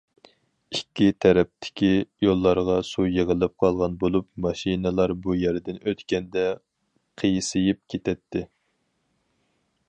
ئىككى تەرەپتىكى يوللارغا سۇ يىغىلىپ قالغان بولۇپ، ماشىنىلار بۇ يەردىن ئۆتكەندە قىيسىيىپ كېتەتتى.